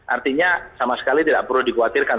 artinya sama sekali tidak perlu dikhawatirkan